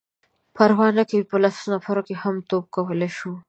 _پروا نه کوي،. په لسو نفرو هم توپ کولای شو.